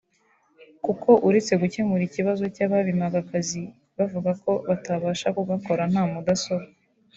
kuko uretse gukemura ikibazo cy’ababimaga akazi bavuga ko batabasha kugakora nta mudasobwa